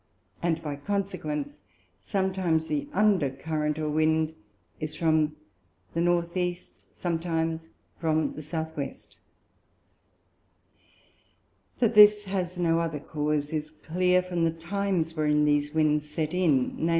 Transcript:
and by consequence, sometimes the under Current or Wind, is from the N. E. sometimes from the S. W. That this has no other Cause, is clear from the times wherein these Winds set in, _viz.